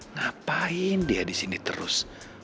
ngapain dia disini terus